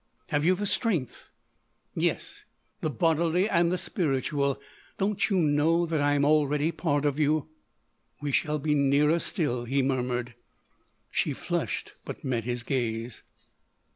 "Have you the strength?" "Yes—the bodily and the spiritual. Don't you know that I am already part of you?" "We shall be nearer still," he murmured. She flushed but met his gaze.